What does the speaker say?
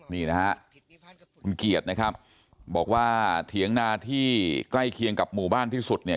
นี่นะฮะคุณเกียรตินะครับบอกว่าเถียงนาที่ใกล้เคียงกับหมู่บ้านที่สุดเนี่ย